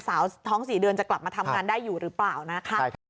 สาวท้อง๔เดือนจะกลับมาทำงานได้อยู่หรือเปล่านะคะ